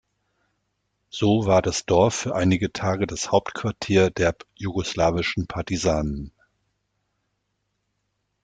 So war das Dorf für einige Tage das Hauptquartier der jugoslawischen Partisanen.